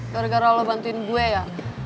gara gara allah bantuin gue ya